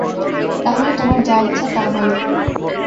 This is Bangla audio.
তাহলে তোমার যা ইচ্ছা তা বলো।